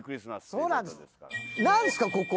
そうなんです。